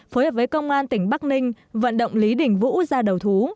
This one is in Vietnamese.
phối hợp với công an tỉnh bắc ninh vận động lý đình vũ ra đầu thú